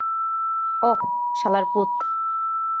ওহ, শালারপুত!